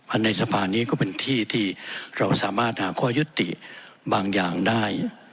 ในสภานี้ก็เป็นที่ที่เราสามารถหาข้อยุติบางอย่างได้